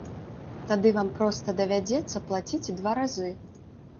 Тады вам проста давядзецца плаціць два разы.